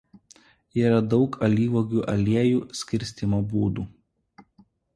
Yra daug alyvuogių aliejų skirstymo būdų.